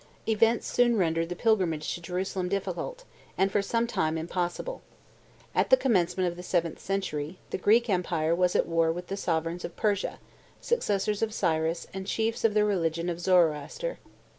Events soon rendered the pilgrimage to Jerusalem difficult, and for some time impossible. At the commencement of the seventh century, the Greek empire was at war with the sovereigns of Persia, successors of Cyrus and chiefs of the religion of Zoroaster.